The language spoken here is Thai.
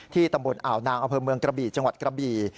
ตำบลอ่าวนางอำเภอเมืองกระบี่จังหวัดกระบี่